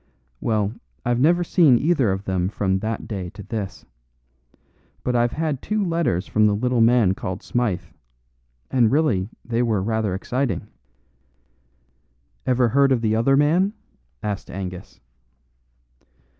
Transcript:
"Well, I've never seen either of them from that day to this. But I've had two letters from the little man called Smythe, and really they were rather exciting." "Ever heard of the other man?" asked Angus.